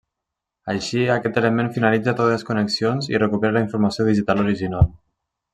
Així, aquest element finalitza totes les connexions i recupera la informació digital original.